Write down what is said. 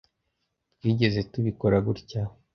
twigeze tubikora gutya.